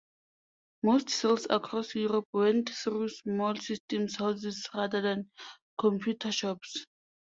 Most sales across Europe went through small systems houses rather than computer shops.